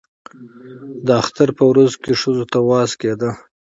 د اختر په ورځو کې ښځو ته وعظ کېده.